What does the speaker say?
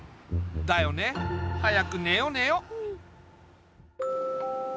だよね。早くねよねよ。